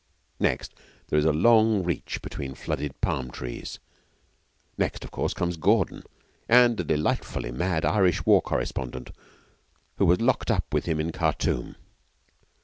Next here is a long reach between flooded palm trees next, of course, comes Gordon and a delightfully mad Irish war correspondent who was locked up with him in Khartoum.